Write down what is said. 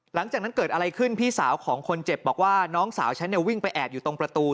หลังจากนั้นเกิดอะไรขึ้นพี่สาวของคนเจ็บบอกว่าน้องสาวฉันเนี่ยวิ่งไปแอบอยู่ตรงประตู